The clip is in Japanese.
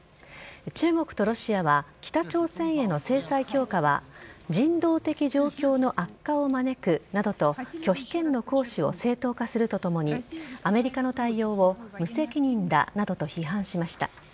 中国とロシアは北朝鮮への制裁強化は人道的状況の悪化を招くなどと拒否権の行使を正当化するとともにアメリカの対応を無責任だなどと批判しました。